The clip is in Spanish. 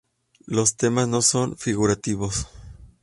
Los temas no son figurativos.